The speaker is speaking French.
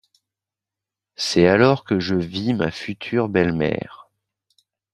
C'est alors que je vis ma future belle-mère.